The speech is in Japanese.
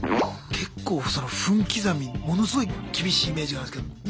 結構その分刻みものすごい厳しいイメージがあるんですけど。